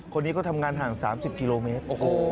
คนนี้ก็ทำงานห่าง๓๐กิโลเมตร